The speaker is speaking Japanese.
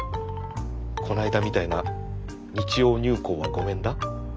こないだみたいな日曜入稿はごめんだ？